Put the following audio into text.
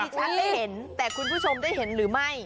ฉันได้เห็นแต่คุณผู้ชมได้เห็นหรือไม่